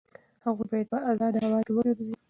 هغوی باید په ازاده هوا کې وګرځي.